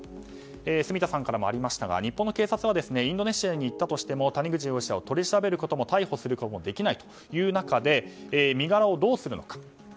住田さんからもありましたが日本の警察はインドネシアに行ったとしても谷口容疑者を取り調べることも逮捕することもできないという中で身柄をどうするのか。